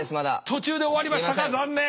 途中で終わりましたか残念。